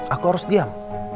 aku harus diam